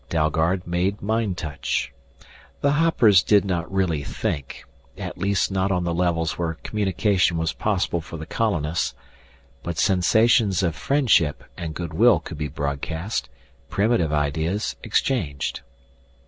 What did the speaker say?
Dalgard made mind touch. The hoppers did not really think at least not on the levels where communication was possible for the colonists but sensations of friendship and good will could be broadcast, primitive ideas exchanged.